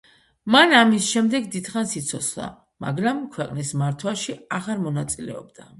მან ამის შემდეგ დიდხანს იცოცხლა, მაგრამ ქვეყნის მართვაში აღარ მონაწილეობდა.